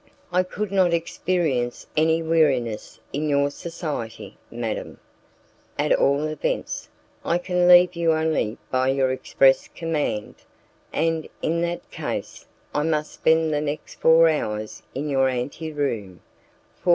"I could not experience any weariness in your society, madam; at all events, I can leave you only by your express command, and, in that case, I must spend the next four hours in your ante room, for M.